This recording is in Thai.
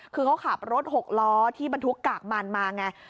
คือเขาขับรถหกล้อที่บรรทุกกากมันมาไง